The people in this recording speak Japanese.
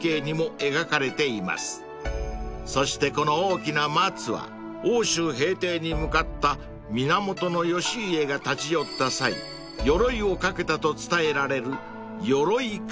［そしてこの大きな松は奥州平定に向かった源義家が立ち寄った際よろいを掛けたと伝えられる］